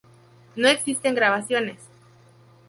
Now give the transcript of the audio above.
No existen grabaciones.